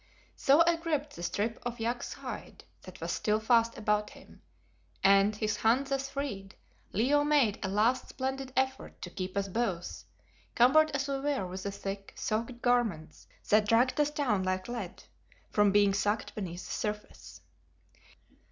So I gripped the strip of yak's hide that was still fast about him, and, his hand thus freed, Leo made a last splendid effort to keep us both, cumbered as we were with the thick, soaked garments that dragged us down like lead, from being sucked beneath the surface.